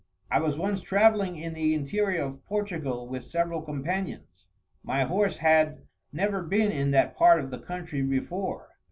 I was once travelling in the interior of Portugal with several companions. My horse had never been in that part of the country before.